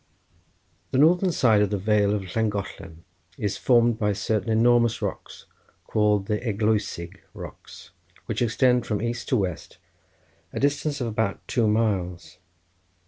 The northern side of the vale of Llangollen is formed by certain enormous rocks, called the Eglwysig rocks, which extend from east to west, a distance of about two miles.